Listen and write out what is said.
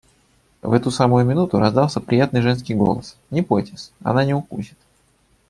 В эту самую минуту раздался приятный женский голос: «Не бойтесь, она не укусит».